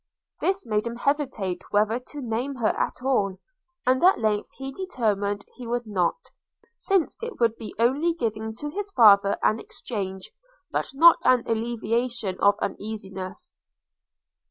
– this made him hesitate whether to name her at all; and at length he determined he would not, since it would be only giving to his father an exchange, but not an alleviation of uneasiness.